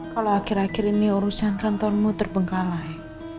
kalau akhir akhir ini urusan kantormu terbengkalai